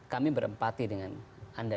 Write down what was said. kami berempati dengan anda